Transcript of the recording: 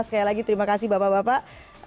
sekali lagi terima kasih bapak bapak